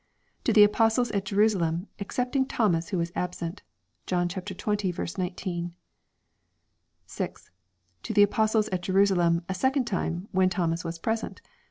To the apostles at Jerusalem, excepting Thomas who was absent John xx. 19. 6. To the apostles at Jerusalem, a second time, when Thomas was present.